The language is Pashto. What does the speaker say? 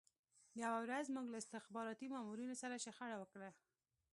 یوه ورځ موږ له استخباراتي مامورینو سره شخړه وکړه